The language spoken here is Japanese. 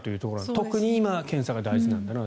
特に今は検査が大事なんだなと。